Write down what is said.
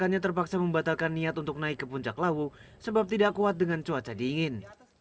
korbannya terpaksa membatalkan niat untuk naik ke puncak lawu sebab tidak kuat dengan cuaca dingin